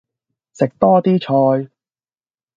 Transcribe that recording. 食多啲菜